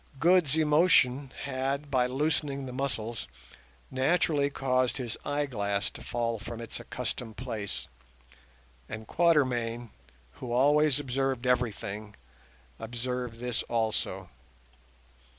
Good's emotion had, by loosening the muscles, naturally caused his eyeglass to fall from its accustomed place, and Quatermain, who always observed everything, observed this also.